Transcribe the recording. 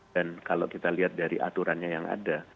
dan kalau kita lihat dari aturannya yang ada